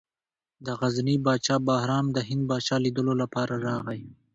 د غزني پاچا بهرام د هند پاچا لیدلو لپاره راغی.